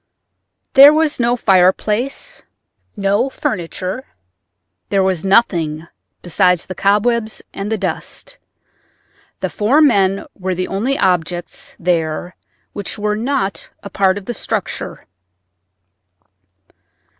There was no fireplace, no furniture; there was nothing: besides the cobwebs and the dust, the four men were the only objects there which were not a part of the structure.